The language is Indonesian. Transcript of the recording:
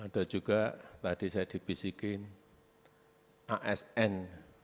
ada juga tadi saya dibisikin asn